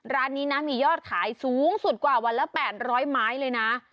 ร้านนี้นะมียอดขายสูงสุดกว่าวันละ๘๐๐ไม้เลยนะ